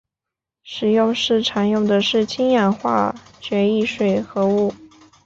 实验室常用的是氢氧化铯一水合物。